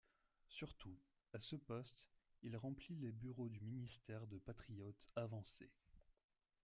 Surtout, à ce poste, il remplit les bureaux du ministère de patriotes avancés.